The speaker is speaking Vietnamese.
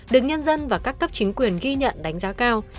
được nhân dân và các cấp chính quyền ghi nhận đánh giá cao